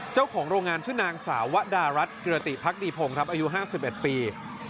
เจ้าของโรงงานชื่อนางสาววดารัฐเกรติพักดีพงศ์ครับอายุ๕๑ปี